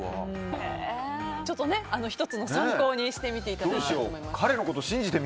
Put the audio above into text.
ちょっと１つの参考にしてみていただいて。